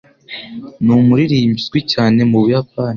Ni umuririmbyi uzwi cyane mu Buyapani.